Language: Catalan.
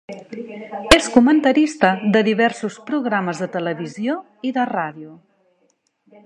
És comentarista de diversos programes de televisió i de ràdio.